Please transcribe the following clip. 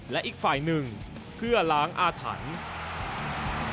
และอีกฝ่ายหนึ่งเพื่อล้างอาถรรพ์